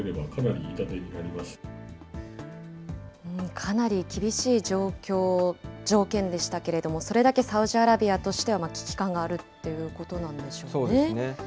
かなり厳しい状況、条件でしたけれども、それだけサウジアラビアとしては危機感があるということなんでしそうですね。